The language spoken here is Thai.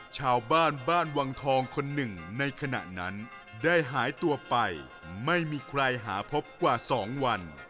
ชาวบ้านบ้านวังทองคนหนึ่งในขณะนั้นได้หายตัวไปไม่มีใครหาพบกว่า๒วัน